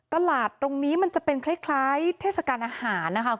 ตลาดตรงนี้มันจะเป็นคล้ายเทศกาลอาหารนะคะ